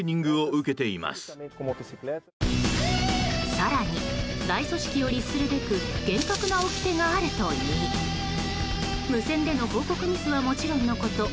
更に大組織を律するべく厳格なおきてがあるといい無線での報告ミスはもちろんのこと